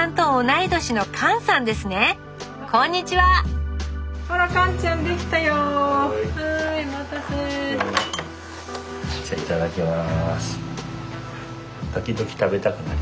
じゃいただきます。